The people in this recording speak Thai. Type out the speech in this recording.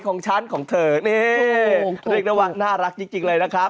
ของฉันของเธอนี่ถูกถูกถูกน่ารักจริงเลยนะครับ